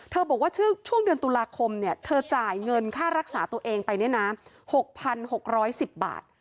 บอกว่าช่วงเดือนตุลาคมเธอจ่ายเงินค่ารักษาตัวเองไปเนี่ยนะ๖๖๑๐บาท